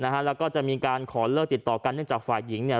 แล้วก็จะมีการขอเลิกติดต่อกันเนื่องจากฝ่ายหญิงเนี่ย